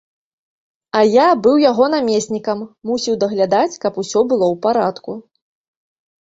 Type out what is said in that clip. А я быў яго намеснікам, мусіў даглядаць, каб усё было ў парадку.